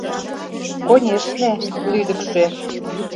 — Конешне, лӱдыкшӧ.